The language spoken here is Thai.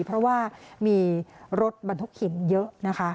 เพราะว่ามีรถบรรทุกหินเยอะนะคะ